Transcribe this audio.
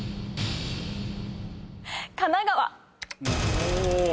神奈川。